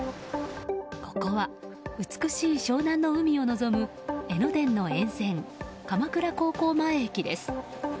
ここは、美しい湘南の海を望む江ノ電の沿線、鎌倉高校前駅です。